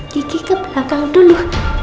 kiki ke belakang dulu